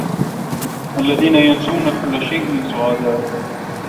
الذين ينسون كل شيء سعداء.